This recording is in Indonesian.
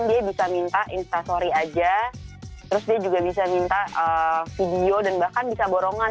dia bisa minta instastory aja terus dia juga bisa minta video dan bahkan bisa borongan